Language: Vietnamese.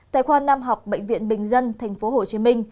tại khoa nam học bệnh viện bình dân tp hcm